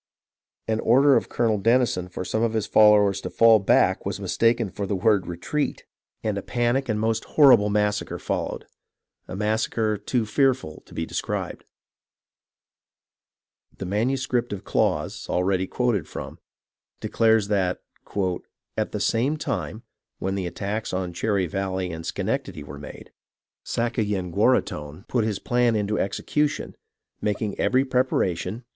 An order of Colonel Denison for some of his followers to fall back was mistaken for the word " retreat," and a SULLIVAN'S EXPEDITION 253 panic and most horrible massacre followed, — a massacre too fearful to be described. The manuscript of Claus, already quoted from, declares that " At the same time [when the attacks on Cherry Valley and Schenectady were made] Sakayenguaraghton put his plan into Excution, making every preparation.